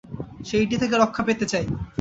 সেইটে থেকে রক্ষা পেতে চাই।